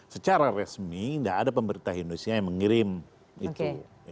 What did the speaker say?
secara resmi tidak ada pemerintah indonesia yang mengirim itu